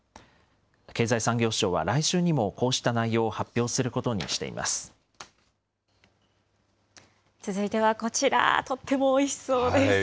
経済産業省は来週にもこうした内続いてはこちら、とってもおいしそうです。